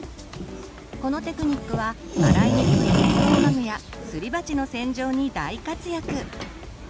このテクニックは洗いにくいストローマグやすり鉢の洗浄に大活躍！